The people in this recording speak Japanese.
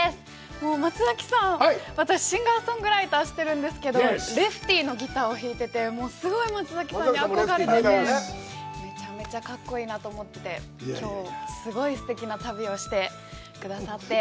もう松崎さん、私、シンガーソングライターしてるんですけど、すごい松崎さんに憧れてて、めちゃめちゃかっこいいなと思ってて、きょう、すごいすてきな旅をしてくださって。